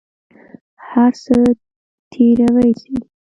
هر څه تېروى سي.